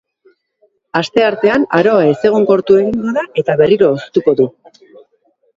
Asteartean, aroa ezegonkortu egingo da eta berriro hoztuko du.